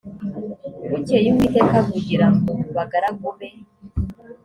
bukeye uwiteka avugira mu bagaragu be